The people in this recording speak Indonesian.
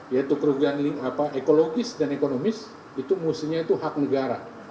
yaitu kerugian ekologis dan ekonomis itu mestinya itu hak negara